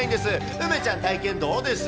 梅ちゃん、体験、どうです？